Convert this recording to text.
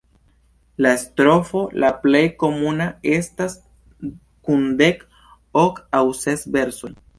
La strofo la plej komuna estas kun dek, ok aŭ ses versoj.